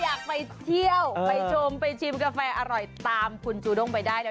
อยากไปเที่ยวไปชมไปชิมกาแฟอร่อยตามคุณจูด้งไปได้นะ